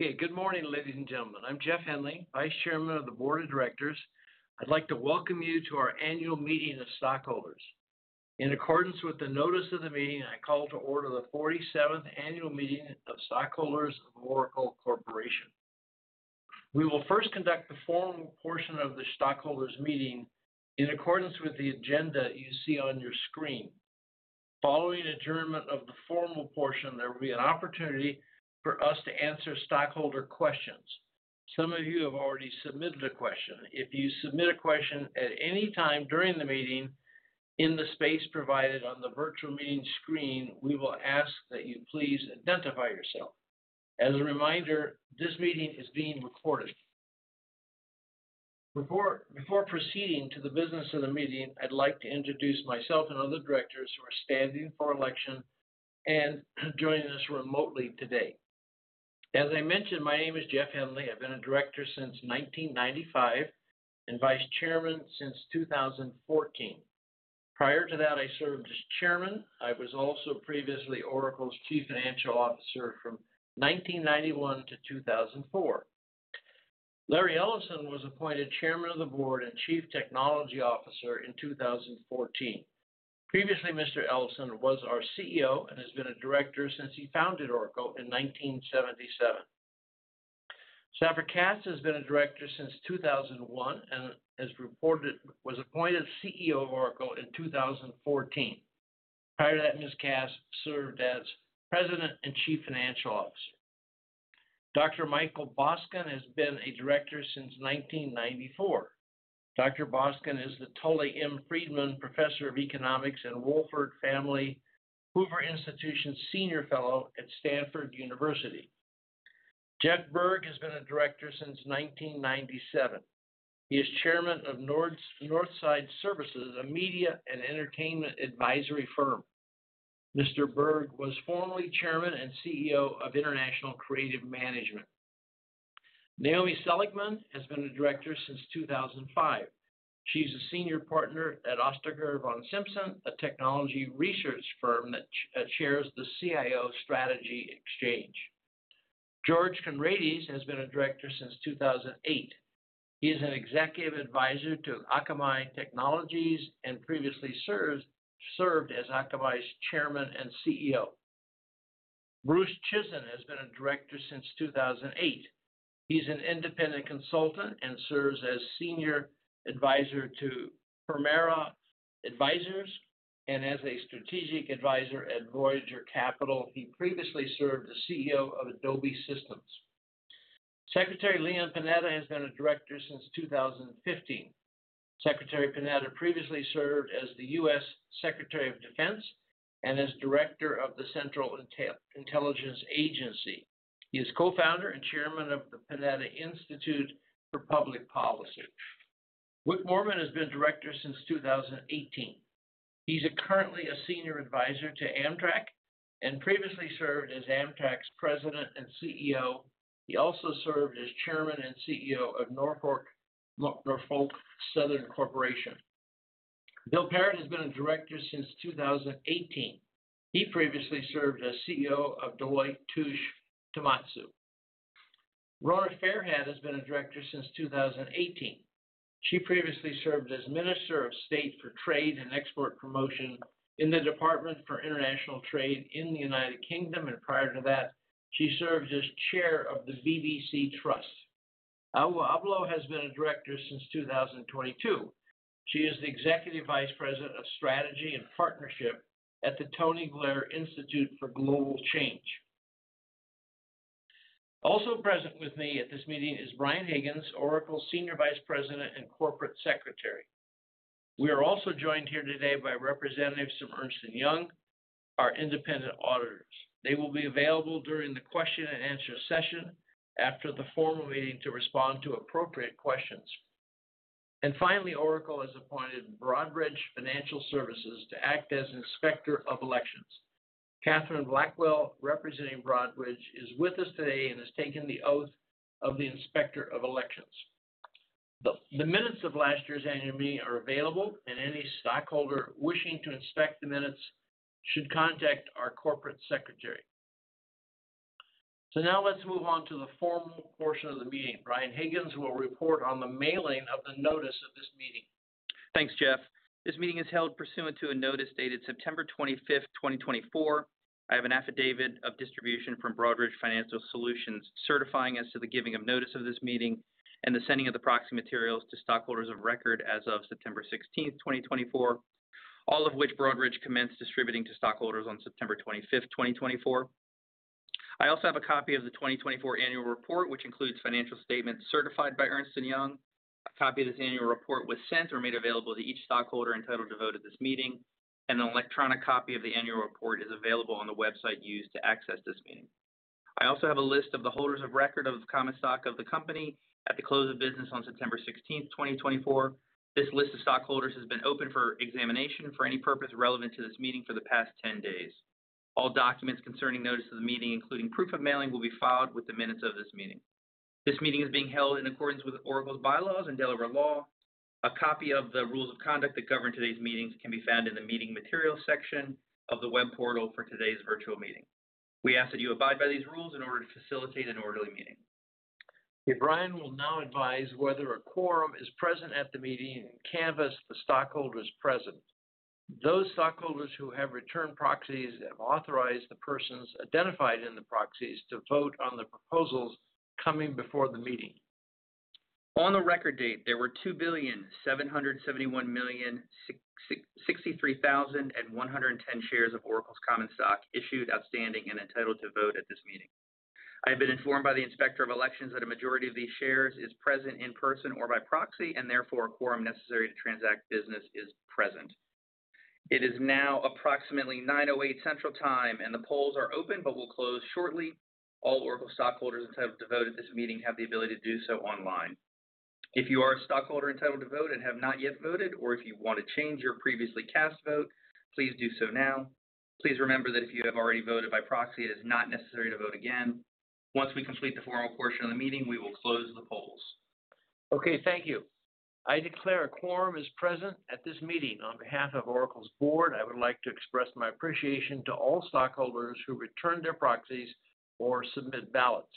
Okay. Good morning, ladies and gentlemen. I'm Jeff Henley, Vice Chairman of the Board of Directors. I'd like to welcome you to our annual meeting of stockholders. In accordance with the notice of the meeting, I call to order the 47th Annual Meeting of Stockholders of Oracle Corporation. We will first conduct the formal portion of the stockholders' meeting in accordance with the agenda you see on your screen. Following adjournment of the formal portion, there will be an opportunity for us to answer stockholder questions. Some of you have already submitted a question. If you submit a question at any time during the meeting, in the space provided on the virtual meeting screen, we will ask that you please identify yourself. As a reminder, this meeting is being recorded. Before proceeding to the business of the meeting, I'd like to introduce myself and other directors who are standing for election and joining us remotely today. As I mentioned, my name is Jeff Henley. I've been a Director since 1995 and Vice Chairman since 2014. Prior to that, I served as Chairman. I was also previously Oracle's Chief Financial Officer from 1991 to 2004. Larry Ellison was appointed Chairman of the Board and Chief Technology Officer in 2014. Previously, Mr. Ellison was our CEO and has been a Director since he founded Oracle in 1977. Safra Catz has been a Director since 2001 and was appointed CEO of Oracle in 2014. Prior to that, Ms. Catz served as President and Chief Financial Officer. Dr. Michael Boskin has been a Director since 1994. Dr. Boskin is the Tully M. Friedman Professor of Economics and Wohlford Family Hoover Institution Senior Fellow at Stanford University. Jeff Berg has been a Director since 1997. He is Chairman of Northside Services, a media and entertainment advisory firm. Mr. Berg was formerly Chairman and CEO of International Creative Management. Naomi Seligman has been a Director since 2005. She's a Senior Partner at Ostriker von Simson, a technology research firm that chairs the CIO Strategy Exchange. George Conrades has been a Director since 2008. He is an Executive Advisor to Akamai Technologies and previously served as Akamai's Chairman and CEO. Bruce Chizen has been a Director since 2008. He's an Independent Consultant and serves as Senior Advisor to Permira and as a Strategic Advisor at Voyager Capital. He previously served as CEO of Adobe Systems. Secretary Leon Panetta has been a Director since 2015. Secretary Panetta previously served as the U.S. Secretary of Defense and as Director of the Central Intelligence Agency. He is Co-Founder and Chairman of the Panetta Institute for Public Policy. Wick Moorman has been Director since 2018. He's currently a Senior Advisor to Amtrak and previously served as Amtrak's President and CEO. He also served as Chairman and CEO of Norfolk Southern Corporation. Bill Parrett has been a Director since 2018. He previously served as CEO of Deloitte Touche Tohmatsu. Rona Fairhead has been a Director since 2018. She previously served as Minister of State for Trade and Export Promotion in the Department for International Trade in the United Kingdom, and prior to that, she served as Chair of the BBC Trust. Awo Ablo has been a Director since 2022. She is the Executive Vice President of Strategy and Partnership at the Tony Blair Institute for Global Change. Also present with me at this meeting is Brian Higgins, Oracle Senior Vice President and Corporate Secretary. We are also joined here today by representatives from Ernst & Young, our independent auditors. They will be available during the question and answer session after the formal meeting to respond to appropriate questions. And finally, Oracle has appointed Broadridge Financial Solutions to act as Inspector of Elections. Katherine Blackwell, representing Broadridge, is with us today and has taken the oath of the Inspector of Elections. The minutes of last year's annual meeting are available, and any stockholder wishing to inspect the minutes should contact our Corporate Secretary. So now let's move on to the formal portion of the meeting. Brian Higgins will report on the mailing of the notice of this meeting. Thanks, Jeff. This meeting is held pursuant to a notice dated September 25th, 2024. I have an affidavit of distribution from Broadridge Financial Solutions certifying us to the giving of notice of this meeting and the sending of the proxy materials to stockholders of record as of September 16th, 2024, all of which Broadridge commenced distributing to stockholders on September 25th, 2024. I also have a copy of the 2024 Annual Report, which includes financial statements certified by Ernst & Young. A copy of this Annual Report was sent or made available to each stockholder entitled to vote at this meeting, and an electronic copy of the Annual Report is available on the website used to access this meeting. I also have a list of the holders of record of the common stock of the company at the close of business on September 16th, 2024. This list of stockholders has been open for examination for any purpose relevant to this meeting for the past 10 days. All documents concerning notice of the meeting, including proof of mailing, will be filed with the minutes of this meeting. This meeting is being held in accordance with Oracle's bylaws and Delaware law. A copy of the rules of conduct that govern today's meetings can be found in the meeting materials section of the web portal for today's virtual meeting. We ask that you abide by these rules in order to facilitate an orderly meeting. Okay. Brian will now advise whether a quorum is present at the meeting and canvass the stockholders present. Those stockholders who have returned proxies have authorized the persons identified in the proxies to vote on the proposals coming before the meeting. On the record date, there were 2,771,063,110 shares of Oracle's common stock issued, outstanding, and entitled to vote at this meeting. I have been informed by the Inspector of Elections that a majority of these shares is present in person or by proxy, and therefore a quorum necessary to transact business is present. It is now approximately 9:08 A.M. Central Time, and the polls are open but will close shortly. All Oracle stockholders entitled to vote at this meeting have the ability to do so online. If you are a stockholder entitled to vote and have not yet voted, or if you want to change your previously cast vote, please do so now. Please remember that if you have already voted by proxy, it is not necessary to vote again. Once we complete the formal portion of the meeting, we will close the polls. Okay. Thank you. I declare a quorum is present at this meeting. On behalf of Oracle's board, I would like to express my appreciation to all stockholders who returned their proxies or submit ballots.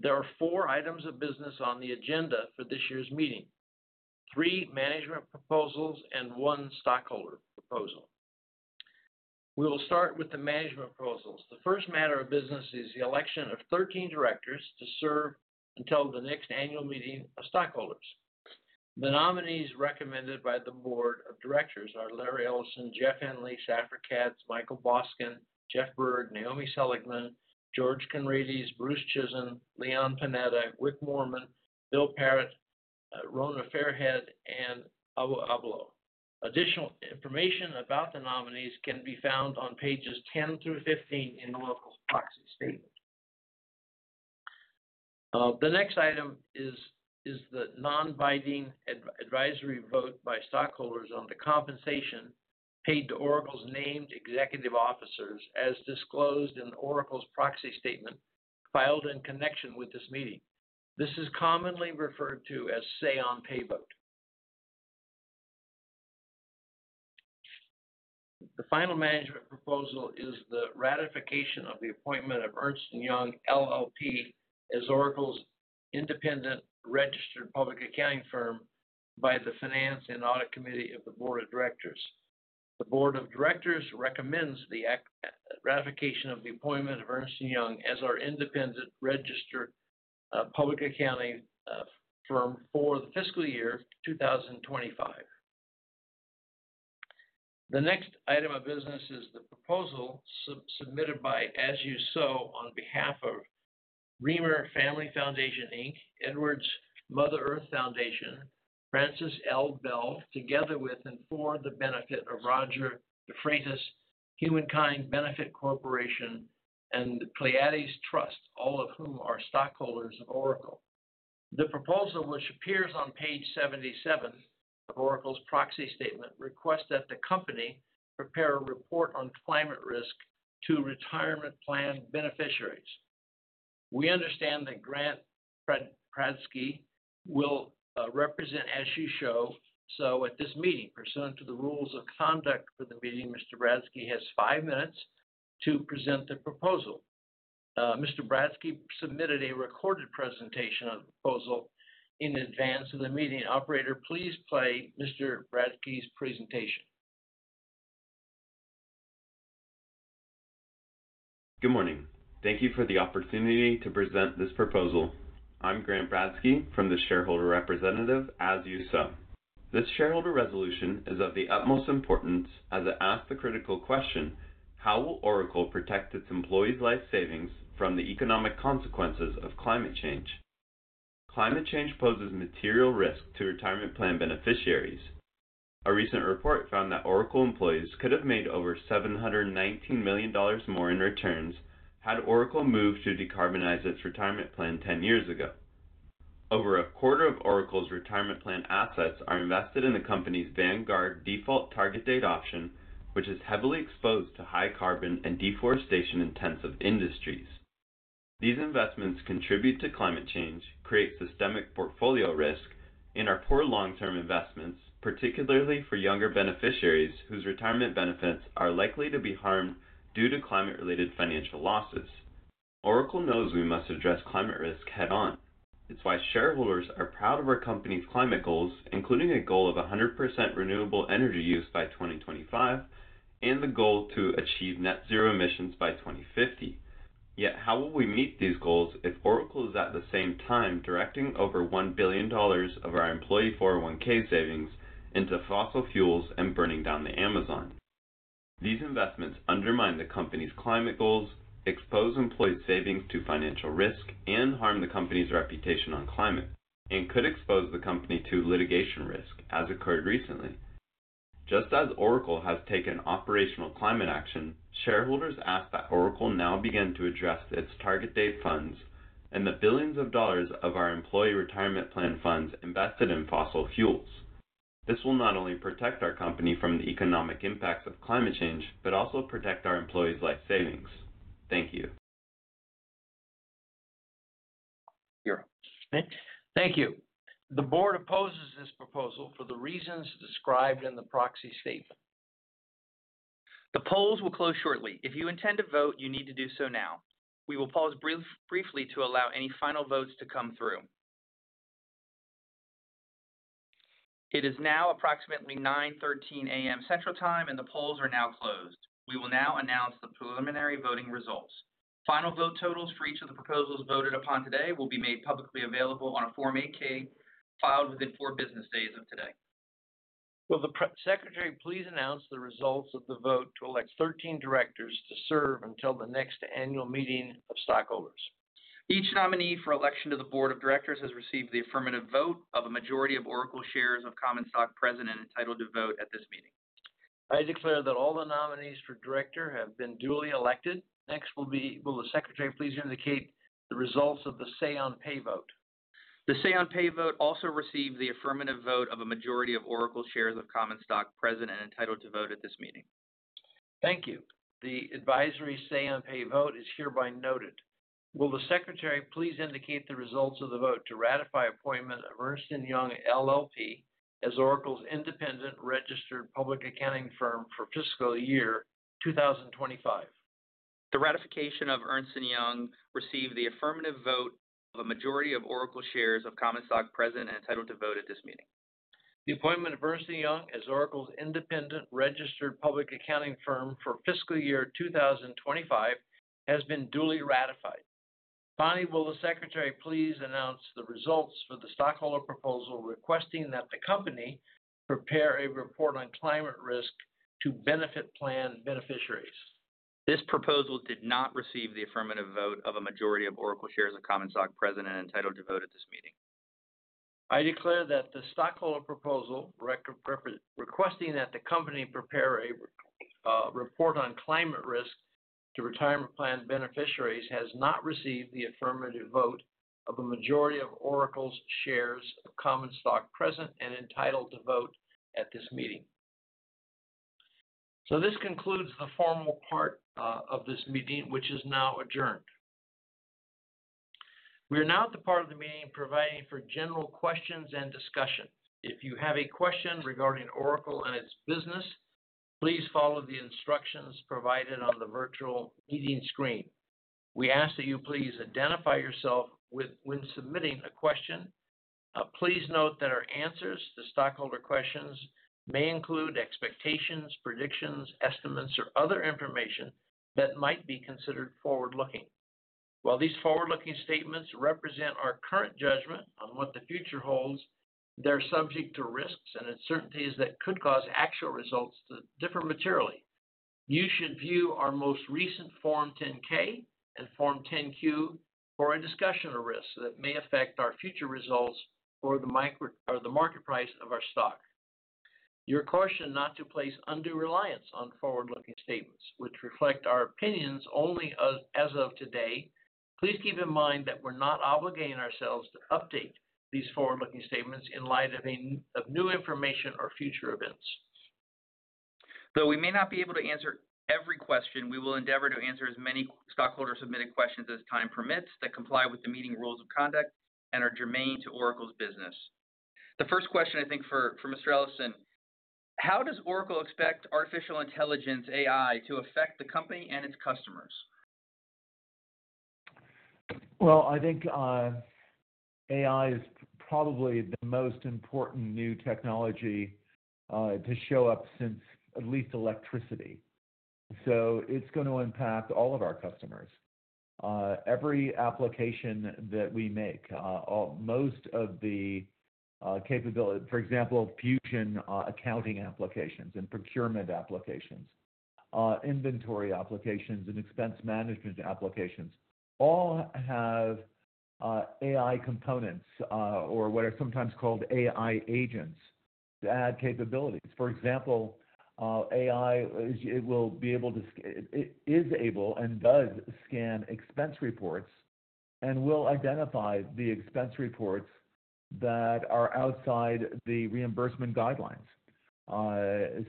There are four items of business on the agenda for this year's meeting: three management proposals and one stockholder proposal. We will start with the management proposals. The first matter of business is the election of 13 directors to serve until the next annual meeting of stockholders. The nominees recommended by the Board of Directors are Larry Ellison, Jeff Henley, Safra Catz, Michael Boskin, Jeff Berg, Naomi Seligman, George Conrades, Bruce Chizen, Leon Panetta, Wick Moorman, Bill Parrett, Rona Fairhead, and Awo Ablo. Additional information about the nominees can be found on pages 10 through 15 in the Oracle Proxy Statement. The next item is the non-binding advisory vote by stockholders on the compensation paid to Oracle's named executive officers as disclosed in Oracle's Proxy Statement filed in connection with this meeting. This is commonly referred to as Say-on-Pay vote. The final management proposal is the ratification of the appointment of Ernst & Young LLP as Oracle's Independent Registered Public Accounting Firm by the Finance and Audit Committee of the Board of Directors. The Board of Directors recommends the ratification of the appointment of Ernst & Young as our Independent Registered Public Accounting Firm for the Fiscal Year 2025. The next item of business is the proposal submitted by, As You Sow, on behalf of Reimer Family Foundation, Inc., Edwards Mother Earth Foundation, Francis L. Bell, together with and for the benefit of Roger DeFrantz, Humankind Benefit Corporation, and the Pleiades Trust, all of whom are stockholders of Oracle. The proposal, which appears on page 77 of Oracle's Proxy Statement, requests that the company prepare a report on climate risk to retirement plan beneficiaries. We understand that Grant Bradski will represent As You Sow, so at this meeting. Pursuant to the rules of conduct for the meeting, Mr. Bradski has five minutes to present the proposal. Mr. Bradski submitted a recorded presentation of the proposal in advance of the meeting. Operator, please play Mr. Bradski's presentation. Good morning. Thank you for the opportunity to present this proposal. I'm Grant Bradski from the Shareholder Representative, as you saw. This shareholder resolution is of the utmost importance as it asks the critical question, how will Oracle protect its employees' life savings from the economic consequences of climate change? Climate change poses material risk to retirement plan beneficiaries. A recent report found that Oracle employees could have made over $719 million more in returns had Oracle moved to decarbonize its retirement plan 10 years ago. Over a quarter of Oracle's retirement plan assets are invested in the company's Vanguard default target date option, which is heavily exposed to high carbon and deforestation-intensive industries. These investments contribute to climate change, create systemic portfolio risk, and are poor long-term investments, particularly for younger beneficiaries whose retirement benefits are likely to be harmed due to climate-related financial losses. Oracle knows we must address climate risk head-on. It's why shareholders are proud of our company's climate goals, including a goal of 100% renewable energy use by 2025 and the goal to achieve net zero emissions by 2050. Yet, how will we meet these goals if Oracle is at the same time directing over $1 billion of our employee 401(k) savings into fossil fuels and burning down the Amazon? These investments undermine the company's climate goals, expose employee savings to financial risk, and harm the company's reputation on climate, and could expose the company to litigation risk, as occurred recently. Just as Oracle has taken operational climate action, shareholders ask that Oracle now begin to address its target date funds and the billions of dollars of our employee retirement plan funds invested in fossil fuels. This will not only protect our company from the economic impacts of climate change but also protect our employees' life savings. Thank you. Here. Okay. Thank you. The board opposes this proposal for the reasons described in the Proxy Statement. The polls will close shortly. If you intend to vote, you need to do so now. We will pause briefly to allow any final votes to come through. It is now approximately 9:13 A.M. Central Time, and the polls are now closed. We will now announce the preliminary voting results. Final vote totals for each of the proposals voted upon today will be made publicly available on a Form 8-K filed within four business days of today. Will the Secretary please announce the results of the vote to elect 13 directors to serve until the next annual meeting of stockholders? Each nominee for election to the Board of Directors has received the affirmative vote of a majority of Oracle shares of common stock present and entitled to vote at this meeting. I declare that all the nominees for director have been duly elected. Next, will the Secretary please indicate the results of the Say-on-Pay vote? The Say-on-Pay vote also received the affirmative vote of a majority of Oracle shares of common stock present and entitled to vote at this meeting. Thank you. The advisory say-on-pay vote is hereby noted. Will the Secretary please indicate the results of the vote to ratify appointment of Ernst & Young LLP as Oracle's Independent Registered Public Accounting Firm for Fiscal Year 2025? The ratification of Ernst & Young received the affirmative vote of a majority of Oracle shares of common stock present and entitled to vote at this meeting. The appointment of Ernst & Young as Oracle's Independent Registered Public Accounting Firm for Fiscal Year 2025 has been duly ratified. Finally, will the Secretary please announce the results for the stockholder proposal requesting that the company prepare a report on climate risk to benefit plan beneficiaries? This proposal did not receive the affirmative vote of a majority of Oracle shares of common stock present and entitled to vote at this meeting. I declare that the stockholder proposal requesting that the company prepare a report on climate risk to retirement plan beneficiaries has not received the affirmative vote of a majority of Oracle's shares of common stock present and entitled to vote at this meeting. So this concludes the formal part of this meeting, which is now adjourned. We are now at the part of the meeting providing for general questions and discussion. If you have a question regarding Oracle and its business, please follow the instructions provided on the virtual meeting screen. We ask that you please identify yourself when submitting a question. Please note that our answers to stockholder questions may include expectations, predictions, estimates, or other information that might be considered forward-looking. While these forward-looking statements represent our current judgment on what the future holds, they're subject to risks and uncertainties that could cause actual results to differ materially. You should view our most recent Form 10-K and Form 10-Q for a discussion of risks that may affect our future results or the market price of our stock. You are cautioned not to place undue reliance on forward-looking statements, which reflect our opinions only as of today. Please keep in mind that we're not obligating ourselves to update these forward-looking statements in light of new information or future events. Though we may not be able to answer every question, we will endeavor to answer as many stockholder-submitted questions as time permits that comply with the meeting rules of conduct and are germane to Oracle's business. The first question, I think, for Mr. Ellison, how does Oracle expect Artificial Intelligence, AI, to affect the company and its customers? I think AI is probably the most important new technology to show up since at least electricity. It's going to impact all of our customers. Every application that we make, most of the capability, for example, Fusion accounting applications and procurement applications, inventory applications, and expense management applications, all have AI components or what are sometimes called AI agents to add capabilities. For example, AI will be able to, is able and does scan expense reports and will identify the expense reports that are outside the reimbursement guidelines.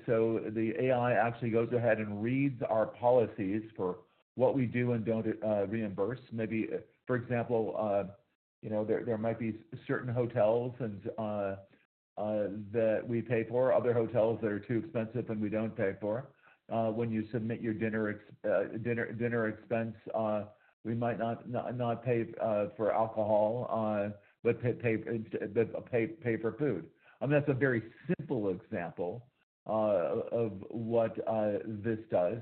The AI actually goes ahead and reads our policies for what we do and don't reimburse. Maybe, for example, there might be certain hotels that we pay for, other hotels that are too expensive and we don't pay for. When you submit your dinner expense, we might not pay for alcohol but pay for food. I mean, that's a very simple example of what this does.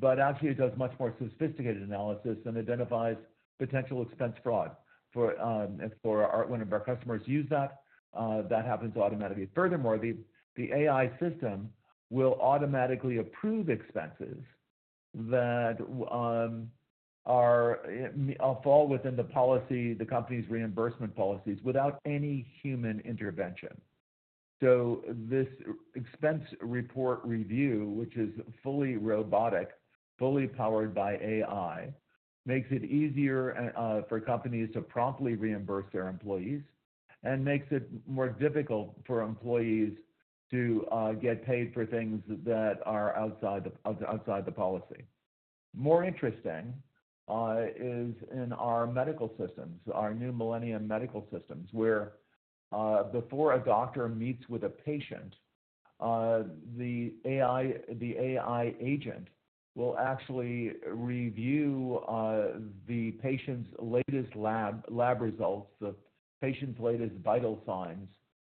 But actually, it does much more sophisticated analysis and identifies potential expense fraud. If one of our customers used that, that happens automatically. Furthermore, the AI system will automatically approve expenses that fall within the companies' reimbursement policies without any human intervention. So this expense report review, which is fully robotic, fully powered by AI, makes it easier for companies to promptly reimburse their employees and makes it more difficult for employees to get paid for things that are outside the policy. More interesting is in our medical systems, our new Millennium medical systems, where before a doctor meets with a patient, the AI agent will actually review the patient's latest lab results, the patient's latest vital signs,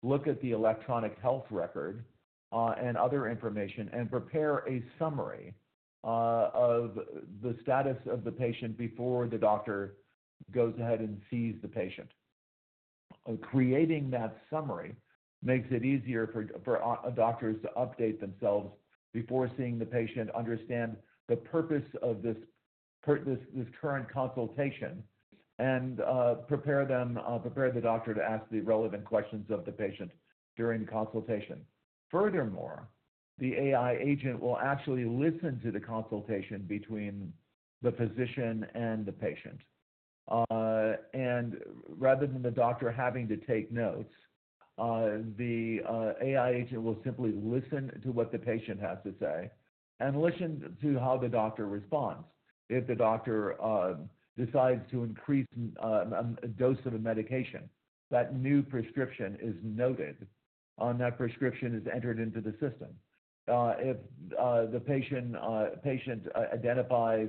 look at the electronic health record and other information, and prepare a summary of the status of the patient before the doctor goes ahead and sees the patient. Creating that summary makes it easier for doctors to update themselves before seeing the patient, understand the purpose of this current consultation, and prepare the doctor to ask the relevant questions of the patient during consultation. Furthermore, the AI agent will actually listen to the consultation between the physician and the patient. And rather than the doctor having to take notes, the AI agent will simply listen to what the patient has to say and listen to how the doctor responds. If the doctor decides to increase a dose of a medication, that new prescription is noted, and that prescription is entered into the system. If the patient identifies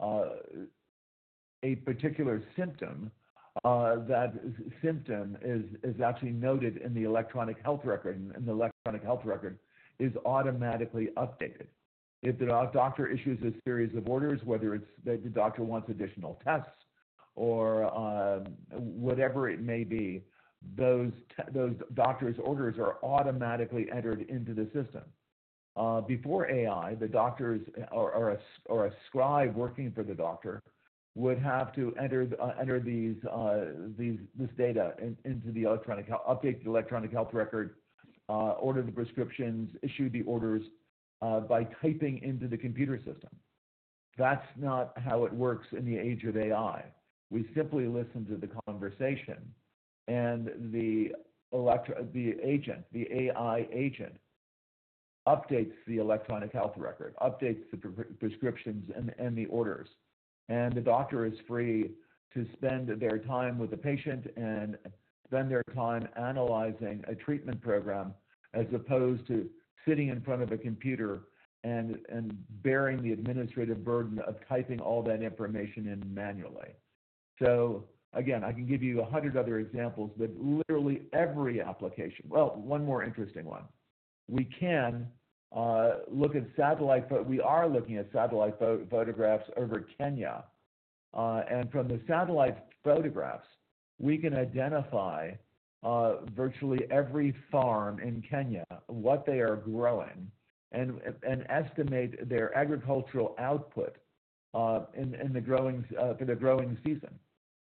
a particular symptom, that symptom is actually noted in the electronic health record, and the electronic health record is automatically updated. If the doctor issues a series of orders, whether it's that the doctor wants additional tests or whatever it may be, those doctor's orders are automatically entered into the system. Before AI, the doctors or a scribe working for the doctor would have to enter this data into the electronic health record, update the electronic health record, order the prescriptions, issue the orders by typing into the computer system. That's not how it works in the age of AI. We simply listen to the conversation, and the agent, the AI agent, updates the electronic health record, updates the prescriptions and the orders. The doctor is free to spend their time with the patient and spend their time analyzing a treatment program as opposed to sitting in front of a computer and bearing the administrative burden of typing all that information in manually. Again, I can give you 100 other examples, but literally every application. One more interesting one. We can look at satellite, but we are looking at satellite photographs over Kenya. From the satellite photographs, we can identify virtually every farm in Kenya, what they are growing, and estimate their agricultural output for the growing season.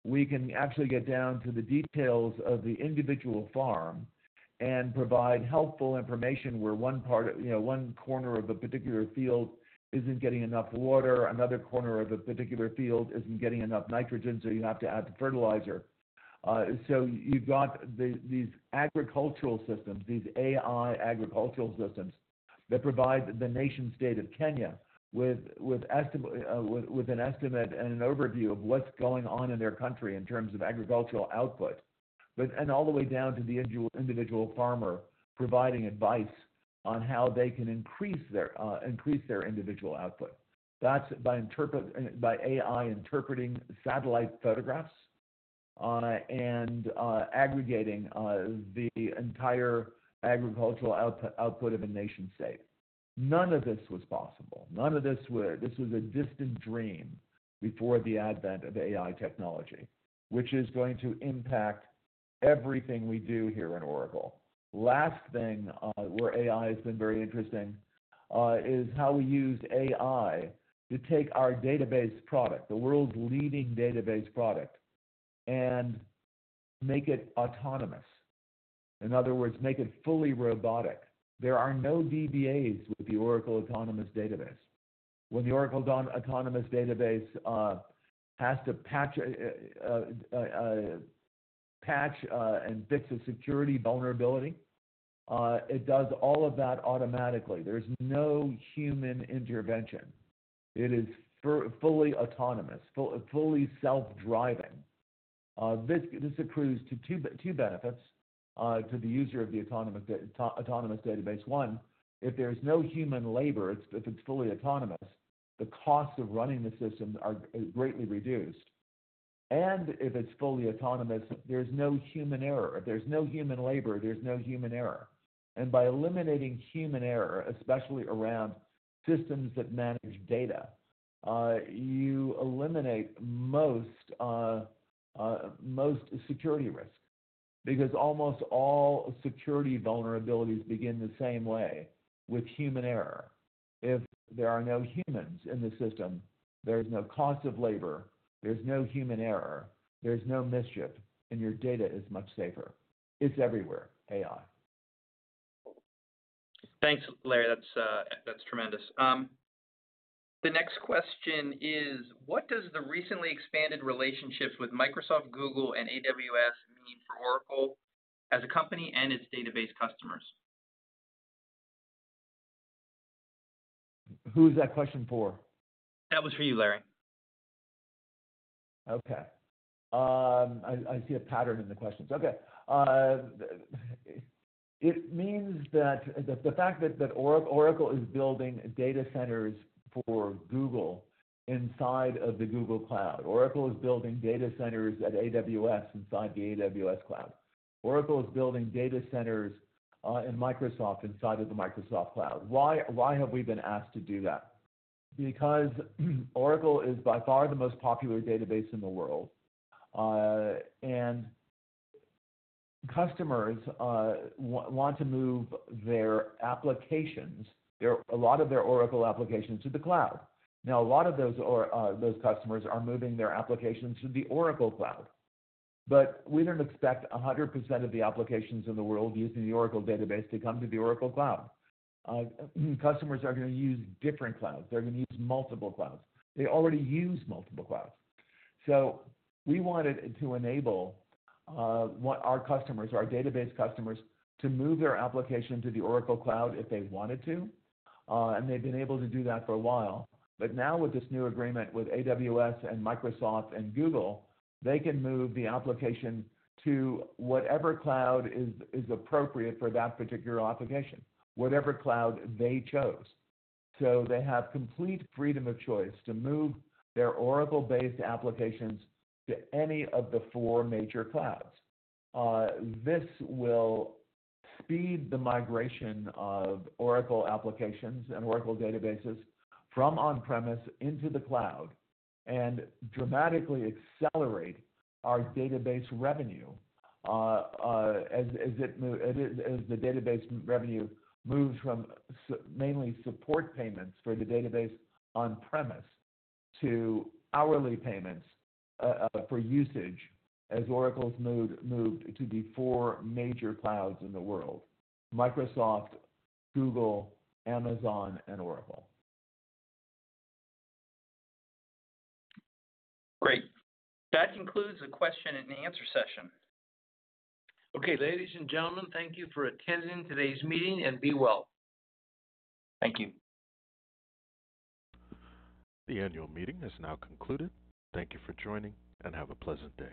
We can actually get down to the details of the individual farm and provide helpful information where one corner of a particular field isn't getting enough water, another corner of a particular field isn't getting enough nitrogen, so you have to add fertilizer. So you've got these agricultural systems, these AI agricultural systems that provide the nation-state of Kenya with an estimate and an overview of what's going on in their country in terms of agricultural output, and all the way down to the individual farmer providing advice on how they can increase their individual output. That's by AI interpreting satellite photographs and aggregating the entire agricultural output of a nation-state. None of this was possible. None of this was a distant dream before the advent of AI technology, which is going to impact everything we do here in Oracle. Last thing where AI has been very interesting is how we used AI to take our database product, the world's leading database product, and make it autonomous. In other words, make it fully robotic. There are no DBAs with the Oracle Autonomous Database. When the Oracle Autonomous Database has to patch and fix a security vulnerability, it does all of that automatically. There's no human intervention. It is fully autonomous, fully self-driving. This accrues to two benefits to the user of the Autonomous Database. One, if there's no human labor, if it's fully autonomous, the costs of running the system are greatly reduced. And if it's fully autonomous, there's no human error. If there's no human labor, there's no human error. And by eliminating human error, especially around systems that manage data, you eliminate most security risk because almost all security vulnerabilities begin the same way with human error. If there are no humans in the system, there's no cost of labor, there's no human error, there's no mischief, and your data is much safer. It's everywhere, AI. Thanks, Larry. That's tremendous. The next question is, what does the recently expanded relationship with Microsoft, Google, and AWS mean for Oracle as a company and its database customers? Who is that question for? That was for you, Larry. Okay. I see a pattern in the questions. Okay. It means that the fact that Oracle is building data centers for Google inside of the Google Cloud. Oracle is building data centers at AWS inside the AWS Cloud. Oracle is building data centers in Microsoft inside of the Microsoft Cloud. Why have we been asked to do that? Because Oracle is by far the most popular database in the world, and customers want to move their applications, a lot of their Oracle applications, to the cloud. Now, a lot of those customers are moving their applications to the Oracle Cloud. But we don't expect 100% of the applications in the world using the Oracle database to come to the Oracle Cloud. Customers are going to use different clouds. They're going to use multiple clouds. They already use multiple clouds. So we wanted to enable our customers, our database customers, to move their application to the Oracle Cloud if they wanted to. And they've been able to do that for a while. But now, with this new agreement with AWS and Microsoft and Google, they can move the application to whatever cloud is appropriate for that particular application, whatever cloud they chose. So they have complete freedom of choice to move their Oracle-based applications to any of the four major clouds. This will speed the migration of Oracle applications and Oracle databases from on-premises into the cloud and dramatically accelerate our database revenue as the database revenue moves from mainly support payments for the database on-premises to hourly payments for usage as Oracle's moved to the four major clouds in the world: Microsoft, Google, Amazon, and Oracle. Great. That concludes the question and answer session. Okay. Ladies and gentlemen, thank you for attending today's meeting and be well. Thank you. The annual meeting has now concluded. Thank you for joining and have a pleasant day.